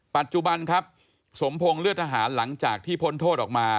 ปัจจุบันครับสมพงศ์เลือดทหารหลังจากที่พ้นโทษออกมา